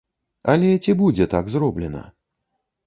Але ці будзе так зроблена?